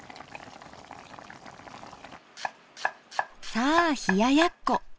さあ冷ややっこ。